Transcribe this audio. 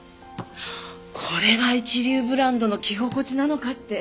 これが一流ブランドの着心地なのかって。